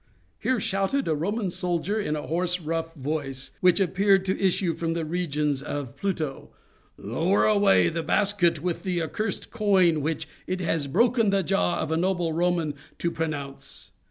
here shouted a Roman soldier in a hoarse, rough voice, which appeared to issue from the regions of Pluto—"lower away the basket with the accursed coin which it has broken the jaw of a noble Roman to pronounce!